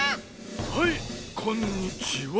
はいこんにちは。